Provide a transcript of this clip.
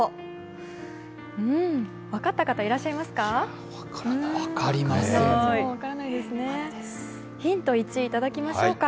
分かった方、いらっしゃいますか？